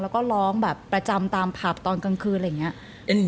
แล้วก็ร้องแบบประจำตามผับตอนกลางคืนอะไรอย่างนี้